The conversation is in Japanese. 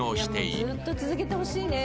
「もうずーっと続けてほしいね」